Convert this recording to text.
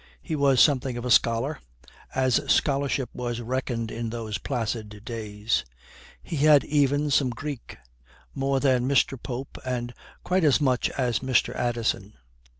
He was something of a scholar, as scholarship was reckoned in those placid days. He had even some Greek more than Mr. Pope and quite as much as Mr. Addison.